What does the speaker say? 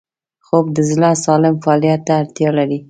خوب د زړه سالم فعالیت ته اړتیا لري